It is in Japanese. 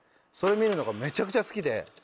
それ見るのがめちゃくちゃ好きで。